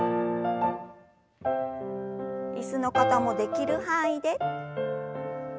椅子の方もできる範囲で。